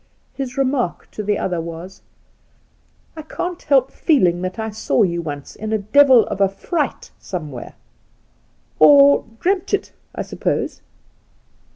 His remark to the other was : *I can't help feeling tha%I saw you once in a deyU of a fright somewhere— or dreamt it, I suppose